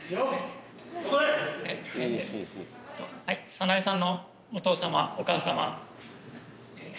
早苗さんのお父様お母様